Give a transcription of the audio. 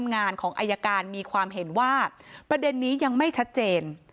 ในความเห็นว่าประเด็นนี้ยังไม่ชัดเจน